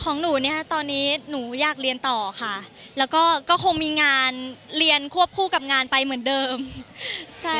ของหนูเนี่ยตอนนี้หนูอยากเรียนต่อค่ะแล้วก็ก็คงมีงานเรียนควบคู่กับงานไปเหมือนเดิมใช่